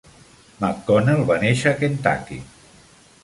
McConnell va néixer a Kentucky.